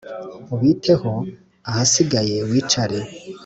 ubiteho, ahasigaye wicare.